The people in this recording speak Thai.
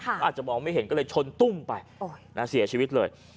เขาอาจจะมองไม่เห็นก็เลยชนตุ้มไปเสียชีวิตเลย